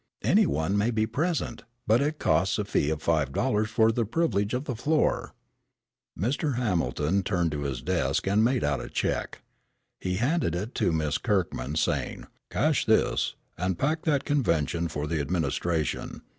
"Any one may be present, but it costs a fee of five dollars for the privilege of the floor." Mr. Hamilton turned to the desk and made out a check. He handed it to Miss Kirkman, saying, "Cash this, and pack that convention for the administration.